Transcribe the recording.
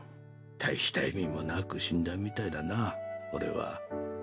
大した意味もなく死んだみたいだな俺は。